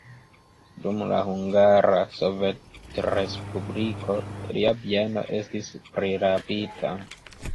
Dum la Hungara Sovetrespubliko lia bieno estis prirabita.